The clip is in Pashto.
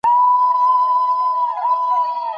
په ښار کي باید د ترافیکي ګڼي ګوڼي مخه ونیول سي.